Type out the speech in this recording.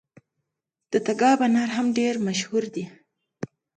د تګاب انار هم ډیر مشهور دي.